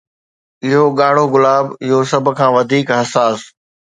اهو ڳاڙهو گلاب، اهو سڀ کان وڌيڪ حساس